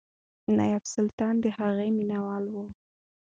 نایبالسلطنه د هغې مینهوال و.